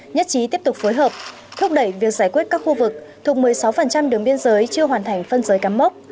nhất trí tiếp tục phối hợp thúc đẩy việc giải quyết các khu vực thuộc một mươi sáu đường biên giới chưa hoàn thành phân giới cắm mốc